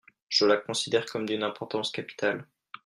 Je la considère comme d'une importance capitale.